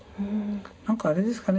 何かあれですかね